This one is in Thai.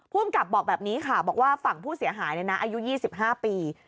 ผู้กำกับบอกแบบนี้ค่ะบอกว่าฝั่งผู้เสียหายเนี่ยนะอายุ๒๕ปี